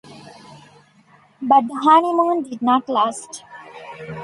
But the honeymoon did not last.